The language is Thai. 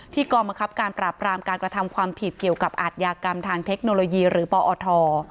กรมคับการปราบรามการกระทำความผิดเกี่ยวกับอาทยากรรมทางเทคโนโลยีหรือปอท